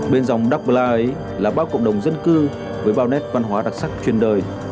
bên dòng đọc la ấy là bao cộng đồng dân cư với bao nét văn hóa đặc sắc chuyên đời